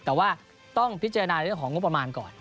แต่ว่าต้องพิจารณาเรื่องของงบประมาณก่อน